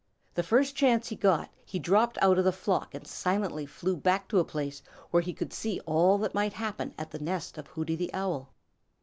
The first chance he got he dropped out of the flock and silently flew back to a place where he could see all that might happen at the nest of Hooty the Owl.